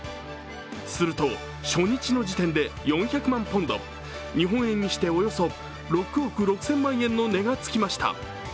すると初日の時点で４００万ポンド日本円にしておよそ６億６０００万円の値がつきました。